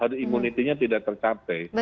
herd immunity nya tidak tercapai